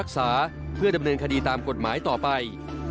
ปกติผมไม่คุยกับแกเลยครับ